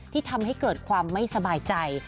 ที่ทำให้เกิดความไม่สบายใจ